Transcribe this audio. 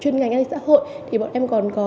ngành an ninh xã hội thì bọn em còn có